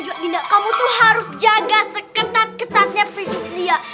nah juga dinda kamu tuh harus jaga seketat ketatnya prinses lia